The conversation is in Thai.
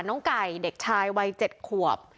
น้องไก่เด็กชายวัย๗ขวบ